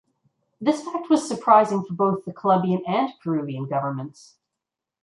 This fact was surprising for both the Colombian and Peruvian governments.